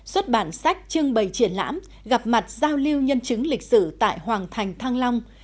xuất bản sách trưng bày triển lãm gặp mặt giao lưu nhân chứng lịch sử tại hoàng thành thăng long